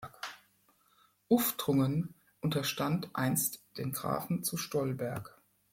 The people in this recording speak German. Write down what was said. Uftrungen unterstand einst den Grafen zu Stolberg.